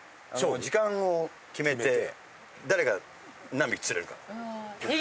時間を決めて誰が何匹釣れるか。